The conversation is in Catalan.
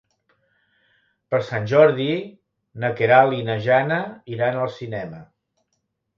Per Sant Jordi na Queralt i na Jana iran al cinema.